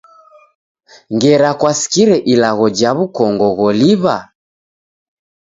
Ngera kwasikire ilagho ja w'ukongo gholiw'a?